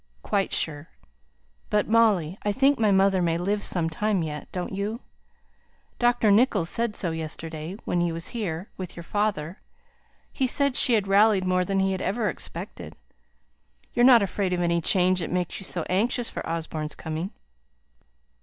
"Quite sure. But, Molly, I think my mother may live some time yet; don't you? Dr. Nicholls said so yesterday when he was here with your father. He said she had rallied more than he had ever expected. You're not afraid of any change that makes you so anxious for Osborne's coming?"